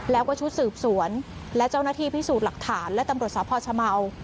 แล้วก็ชุดสืบสวนและเจ้าหน้าที่พิสูจน์หลักฐานและตำรวจสพชเมา